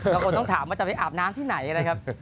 บางคนต้องถามว่าจะไปอาบน้ำที่ไหนนะครับ